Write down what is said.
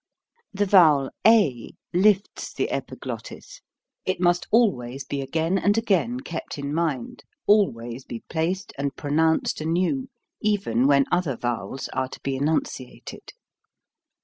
The vowel a lifts the epiglottis; it must always be again and again kept in mind, always be placed and pronounced anew even when other vowels are to be enunciated.